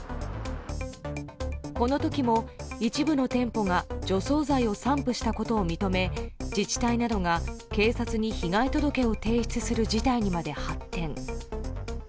この時も一部の店舗が除草剤を散布したことを認め自治体などが、警察に被害届を提出する事態にまで発展。